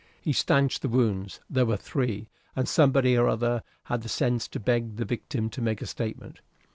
He stanched the wounds there were three and somebody or other had the sense to beg the victim to make a statement.